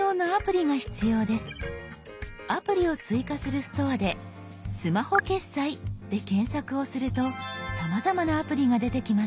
アプリを追加する「ストア」で「スマホ決済」で検索をするとさまざまなアプリが出てきます。